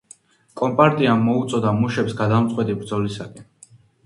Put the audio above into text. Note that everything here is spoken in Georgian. კომპარტიამ მოუწოდა მუშებს გადამწყვეტი ბრძოლისაკენ.